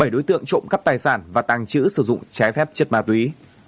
bảy đối tượng trộm cắp tài sản và tàng trữ sử dụng trái phép chất ma túy